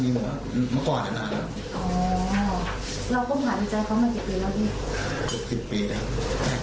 พี่แล้วมึงต้องอยากหลักคุณสัญญาว่าเรารักลูกไม่เท่ากันเหรอ